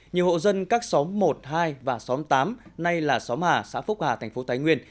nhiều hộ dân các xóm một hai và xóm tám nay là xóm hà xã phúc hà thành phố thái nguyên